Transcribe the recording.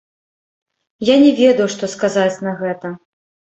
Я не ведаў, што сказаць на гэта.